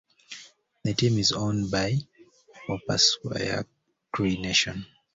The team is owned by the Opaskwayak Cree Nation.